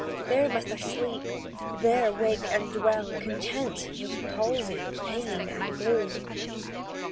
There must I sleep, there wake and dwell Content, with palsy, pain, and gloom."